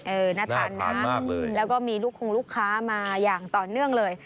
น่าทานนะมากเลยแล้วก็มีลูกคงลูกค้ามาอย่างต่อเนื่องเลย